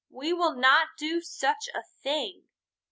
We will not do such a thing."